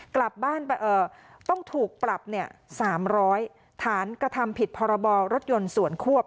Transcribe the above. กลับบ้านไปต้องถูกปรับ๓๐๐ฐานกระทำผิดพรบรถยนต์ส่วนควบ